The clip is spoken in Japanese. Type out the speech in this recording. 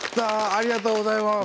ありがとうございます！